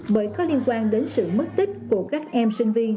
bởi có liên quan đến sự mất tích của các em sinh viên